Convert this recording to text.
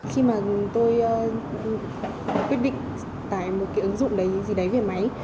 khi mà tôi quyết định tải một cái ứng dụng đấy gì đấy về máy